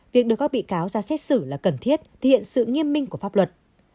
việc đưa các bị cáo ra xét xử là cần thiết thể hiện sự nghiêm minh của pháp luật